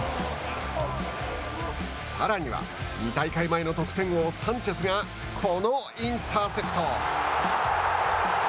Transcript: さらには２大会前の得点王サンチェスがこのインターセプト。